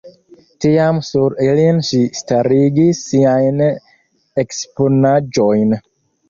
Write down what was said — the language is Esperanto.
Tiam sur ilin ŝi starigis siajn eksponaĵojn.